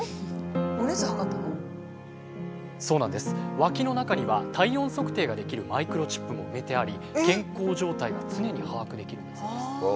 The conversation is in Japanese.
わきの中には体温測定ができるマイクロチップも埋めてあり健康状態が常に把握できるんだそうです。